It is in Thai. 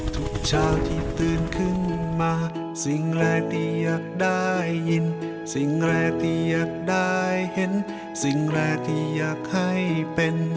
ทุกเช้าที่ตื่นขึ้นมาสิ่งแรกที่อยากได้ยินสิ่งแรกที่อยากได้เห็นสิ่งแรกที่อยากให้เป็น